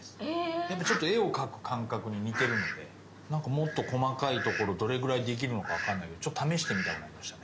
やっぱちょっと絵を描く感覚に似てるのでもっと細かいところどれぐらい出来るのか分かんないけどちょっと試してみたくなりましたね。